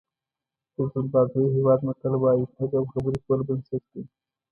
د زیمبابوې هېواد متل وایي تګ او خبرې کول بنسټ دی.